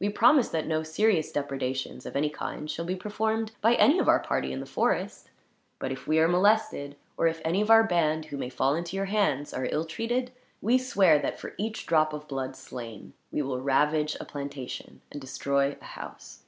We promise that no serious depredations, of any kind, shall be performed by any of our party in the forest; but if we are molested, or if any of our band who may fall into your hands are ill treated, we swear that, for each drop of blood slain, we will ravage a plantation and destroy a house.